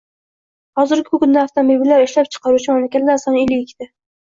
Hozirgi kunda avtomobillar ishlab chiqaruvchi mamlakatlar soni ellik ikkita.